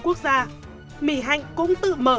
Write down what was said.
quốc gia mỹ hạnh cũng tự mở